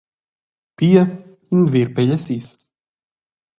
Pia, in ver pegliasis.